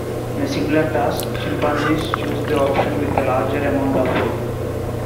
In a similar task, chimpanzees chose the option with the larger amount of food.